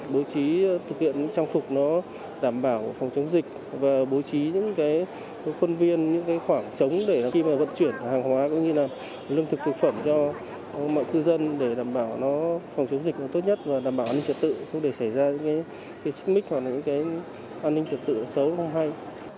bố trí thực hiện trang phục đảm bảo phòng chống dịch và bố trí những khuôn viên những khoảng trống để khi vận chuyển hàng hóa cũng như lương thực thực phẩm cho mọi cư dân để đảm bảo phòng chống dịch tốt nhất và đảm bảo an ninh trật tự không để xảy ra những xích mích hoặc an ninh trật tự xấu không hay